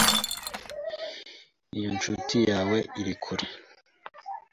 Iyo inshuti yawe iri kure